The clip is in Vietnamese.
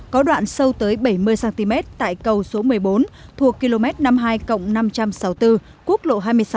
có đoạn sâu tới bảy mươi cm tại cầu số một mươi bốn thuộc km năm mươi hai năm trăm sáu mươi bốn quốc lộ hai mươi sáu